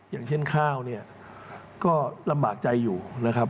อย่างเช่นข้าวเนี่ยก็ลำบากใจอยู่นะครับ